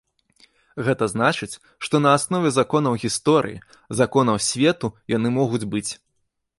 Гэта значыць, што на аснове законаў гісторыі, законаў свету яны могуць быць.